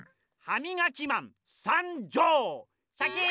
ハミガキマンさんじょう！